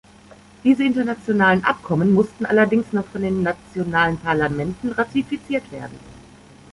Diese internationalen Abkommen mussten allerdings noch von den nationalen Parlamenten ratifiziert werden.